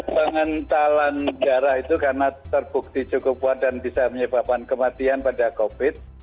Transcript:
pengentalan darah itu karena terbukti cukup kuat dan bisa menyebabkan kematian pada covid